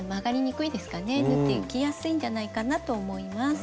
縫っていきやすいんじゃないかなと思います。